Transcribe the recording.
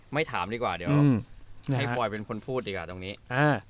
ไม่ถามดีกว่าเดี๋ยวให้ปลอยเป็นคนพูดดีกว่าตรงนี้อ่า